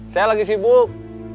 saya lagi sibuk